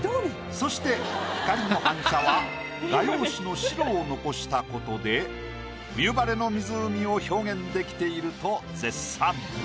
そして光の反射は画用紙の白を残したことで冬晴れの湖を表現できていると絶賛。